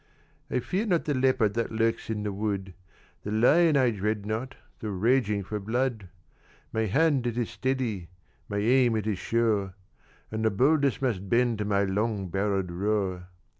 "I fear not the leopard that lurks in the wood, The lion I dread not, though raging for blood; My hand it is steady my aim it is sure And the boldest must bend to my long barrelled roer.